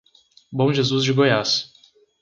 Bom Jesus de Goiás